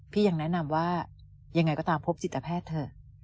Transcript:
ยังแนะนำว่ายังไงก็ตามพบจิตแพทย์เถอะ